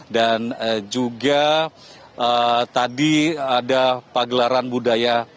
dan juga tadi ada pagelaran budaya